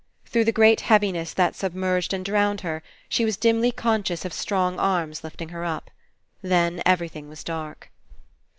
Through the great heaviness that submerged and drowned her she was dimly conscious of strong arms lifting her up. Then everything was dark.